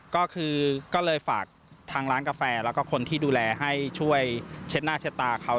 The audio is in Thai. ก็คือก็เลยฝากทางร้านกาแฟแล้วก็คนที่ดูแลให้ช่วยเช็ดหน้าเช็ดตาเขา